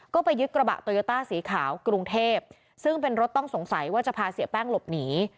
ก็ไปยึดกระบะโตโยต้าสีขาวกรุงเทพซึ่งเป็นรถต้องสงสัยว่าจะพาเสียแป้งหลบหนี